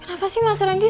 kenapa sih mas randy